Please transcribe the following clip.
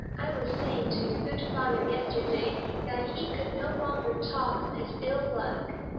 I was saying to your good father yesterday that he could no longer talk of his ill luck.